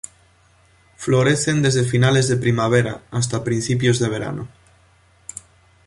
Florecen desde finales de primavera hasta principios de verano.